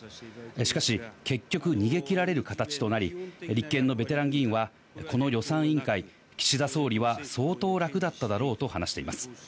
しかし、結局逃げ切られる形となり、立憲のベテラン議員はこの予算委員会、岸田総理は相当楽だっただろうと話しています。